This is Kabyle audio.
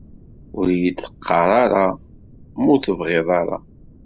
Ur yi-d-qqar ara ma ur tebeɣiḍ ara.